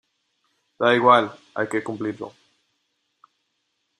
da igual, hay que cumplirlo.